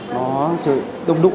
nó chơi đông đúc